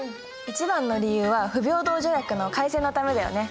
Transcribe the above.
一番の理由は不平等条約の改正のためだよね。